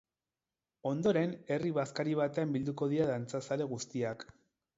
Ondoren, herri bazkari batean bilduko dira dantzazale guztiak.